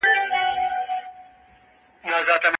ژوند یو چانس دی او موږ باید ترې ګټه واخلو.